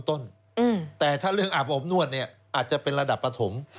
แต่ถ้าเรื่องอาบอบนวดเนี่ยอาจจะเป็นระดับปฐม